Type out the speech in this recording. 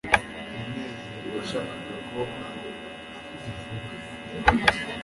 munezero yashaka ko mbivuga